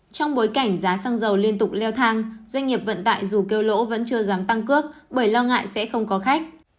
trong bối cảnh giá xăng dầu liên tục leo thang doanh nghiệp vận tải dù kêu lỗ vẫn chưa dám tăng cước bởi lo ngại sẽ không có khách